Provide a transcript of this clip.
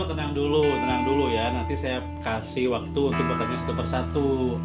tenang dulu tenang dulu ya nanti saya kasih waktu untuk berkata satu per satu